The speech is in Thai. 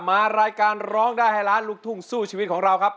มารายการร้องได้ให้ล้านลูกทุ่งสู้ชีวิตของเราครับ